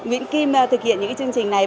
nguyễn kim thực hiện những cái chương trình này